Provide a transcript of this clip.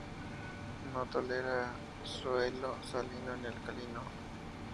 No tolera suelo salino ni alcalino.